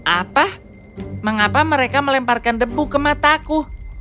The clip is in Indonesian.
apa mengapa mereka melemparkan debu ke mataku